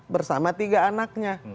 bersama tiga anaknya